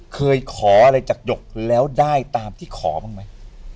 เคยขออะไรจากหยกแล้วได้ตามที่ขอบ้างไหม